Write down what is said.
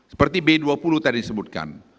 seperti b dua puluh tadi disebutkan